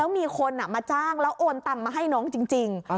แล้วมีคนมาจ้างแล้วโอนตำมาให้น้องจริง